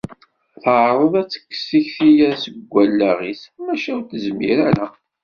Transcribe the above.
Teεreḍ ad tekkes tikti-a deg wallaɣ-is, maca ur tezmir ara.